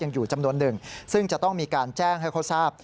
อยู่จำนวนหนึ่งซึ่งจะต้องมีการแจ้งให้เขาทราบ